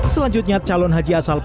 selanjutnya calon haji asal